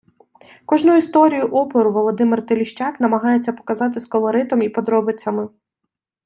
Кожну історію опору Володимир Тиліщак намагається показати з колоритом і подробицями.